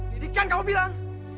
pendidikan kamu bilang